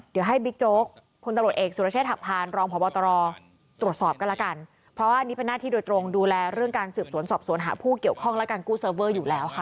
เดี๋ยวให้บิ๊กโจ๊กคนตำรวจเอกสุรเชษฐหักพานรองพบตรตรวจสอบก็แล้วกันเพราะว่าอันนี้เป็นหน้าที่โดยตรงดูแลเรื่องการสืบสวนสอบสวนหาผู้เกี่ยวข้องและการกู้เซิร์ฟเวอร์อยู่แล้วค่ะ